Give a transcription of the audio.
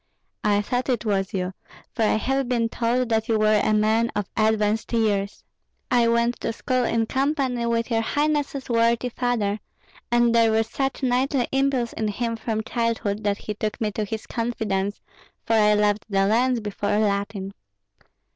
"I thought it was you, for I have been told that you were a man of advanced years." "I went to school in company with your highness's worthy father; and there was such knightly impulse in him from childhood that he took me to his confidence, for I loved the lance before Latin."